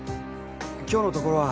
今日のところは。